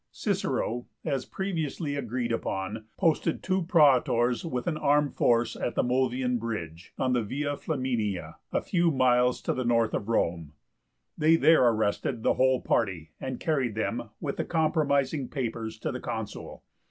Cicero, as previously agreed upon, posted two Praetors with an armed force at the Mulvian Bridge, on the Via Flaminia, a few miles to the north of Rome. They there arrested the whole party, and carried them, with the compromising papers, to the Consul.